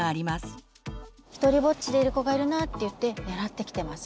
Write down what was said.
ひとりぼっちでいる子がいるなっていって狙ってきてます。